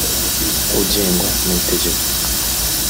ugengwa n itegeko